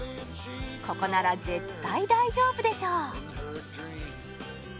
ここなら絶対大丈夫でしょ！